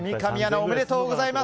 おめでとうございます。